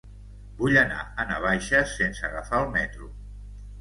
Vull anar a Navaixes sense agafar el metro.